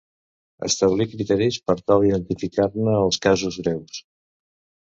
Establir criteris per tal d'identificar-ne els casos greus.